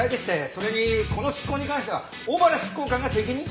それにこの執行に関しては小原執行官が責任者。